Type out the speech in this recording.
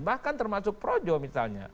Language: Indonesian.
bahkan termasuk projo misalnya